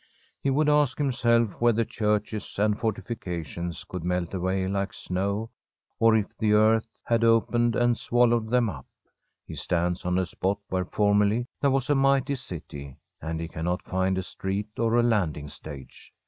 He would ask himself whether churches and fortifications could melt away like snow, or if the earth h^d opened and swallowed them up. He stands on a spot where formerly there was a mighty city, and he cannot find a street or a landing stage.